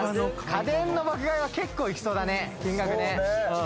家電の爆買いは結構いきそうだね、金額。